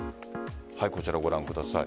こちら、ご覧ください。